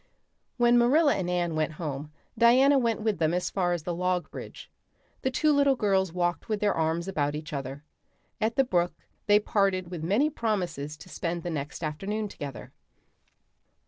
When Marilla and Anne went home Diana went with them as far as the log bridge. The two little girls walked with their arms about each other. At the brook they parted with many promises to spend the next afternoon together.